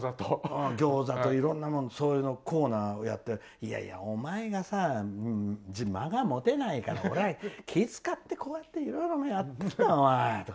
餃子といろんなもんそういうコーナーをやっていやいや、お前がさ間が持てないから俺が気を使っていろいろやってきたんだよって。